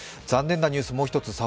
残念なニュースもう一つ。